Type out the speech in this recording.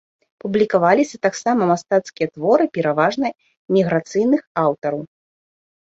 Публікаваліся таксама мастацкія творы, пераважна эміграцыйных аўтараў.